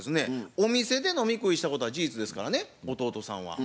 お店で飲み食いしたことは事実ですからね弟さんは。